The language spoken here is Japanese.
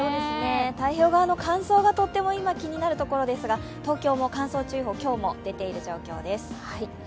太平洋側の乾燥がとっても今気になるところですが、東京も乾燥注意報今日も出ている状況です。